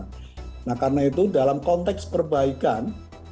nah karena itu dalam konteks perbaikan